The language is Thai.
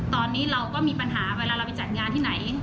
ตอนนี้เราก็มีปัญหาเวลาเราไปจัดงานที่ไหน